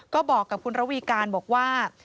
ก็บอกกับคุณระวีการบอกว่า